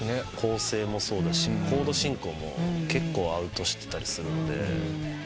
構成もそうだしコード進行も結構アウトしてたりするので。